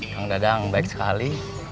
kang dadang baik sekali